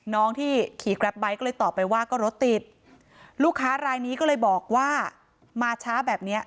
น้องที่ขี่แกรปไบท์ก็เลยตอบไปว่าก็รถติดลูกค้ารายนี้ก็เลยบอกว่ามาช้าแบบเนี้ย